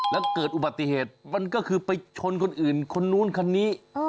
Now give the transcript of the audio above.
แล้วเกิดอุบัติเหตุมันก็คือไปชนคนอื่นคนนู้นคนนี้